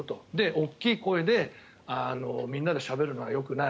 大きい声でみんなでしゃべるのはよくない。